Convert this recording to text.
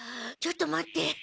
ちょっと待って。